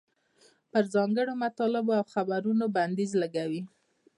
پر ځانګړو مطالبو او خبرونو بندیز لګوي.